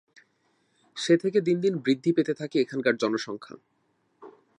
সে থেকে দিন দিন বৃদ্ধি পেতে থাকে এখানের জনসংখ্যা।